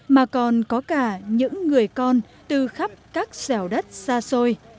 mà còn có cả những người con từ khắp các dẻo đất xa xôi